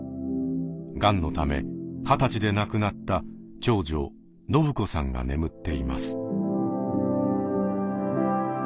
がんのため二十歳で亡くなった長女伸子さんが眠っています。